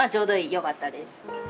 よかったです。